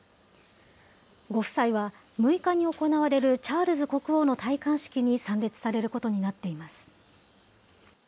ご夫妻は、６日に行われるチャールズ国王の戴冠式に参列されることになっています。